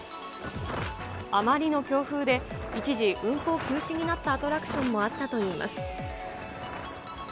あまりの強風で一時、運行休止になったアトラクションもあったといいます。